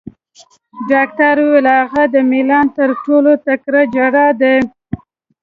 ډاکټر وویل: هغه د میلان تر ټولو تکړه جراح دی.